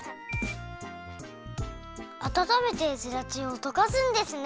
あたためてゼラチンをとかすんですね。